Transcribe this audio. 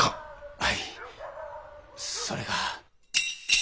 はいそれが。